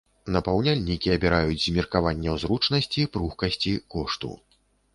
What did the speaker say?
Напаўняльнікі абіраюць з меркаванняў зручнасці, пругкасці, кошту.